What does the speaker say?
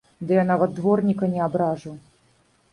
Ды я нават дворніка не абражу!